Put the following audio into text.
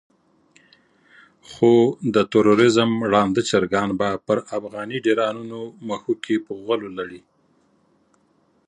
خو د تروريزم ړانده چرګان به پر افغاني ډيرانونو مښوکې په غولو لړي.